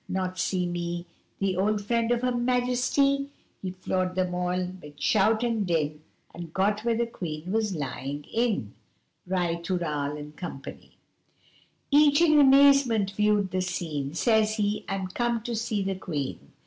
Not see me, The old friend of Her Majesty?' He floored them all 'mid shout and din And got where the Queen was lying in. Ri tooral, &c. Each in amazement viewed the scene Says he 'I'm comed to see the Queen!